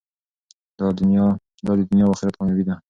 دا د دنیا او اخرت کامیابي ده.